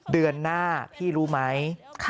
เดือนหน้าพี่รู้ไหม